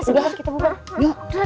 udah biar mereka istirahat